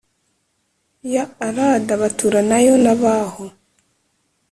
ya Arada baturanayo n abaho